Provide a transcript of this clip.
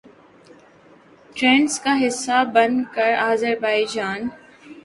trends کا حصہ بن کر آذربائیجان